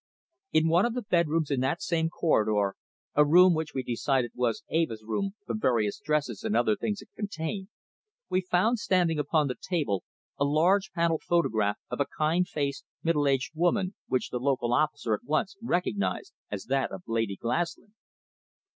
In one of the bedrooms in that same corridor, a room which we decided was Eva's from various dresses and other things it contained, we found standing upon the table a large panel photograph of a kind faced, middle aged woman, which the local officer at once recognised as that of Lady Glaslyn.